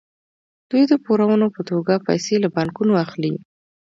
دوی د پورونو په توګه پیسې له بانکونو اخلي